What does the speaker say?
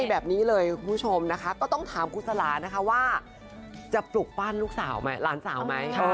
แบบนี้เลยคุณผู้ชมนะคะก็ต้องถามคุณสลานะคะว่าจะปลุกปั้นลูกสาวไหมหลานสาวไหม